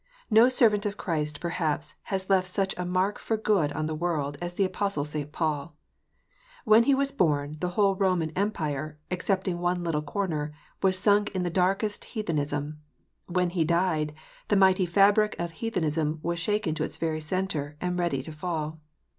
Xo servant of Christ perhaps has left such a mark for good on the world as the Apostle St. Paul. When he was born, the whole Roman Empire, excepting one little corner, was sunk in the darkest heathenism ; when he died, the mighty fabric of heathenism was shaken to its very centre, and ready to fall.